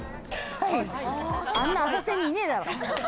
あんな浅瀬にいねえだろ！